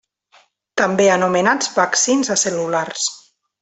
També anomenats vaccins acel·lulars.